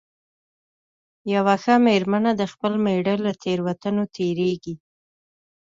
یوه ښه مېرمنه د خپل مېړه له تېروتنو تېرېږي.